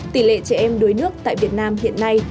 tỷ lệ trẻ em đuối nước tại việt nam hiện nay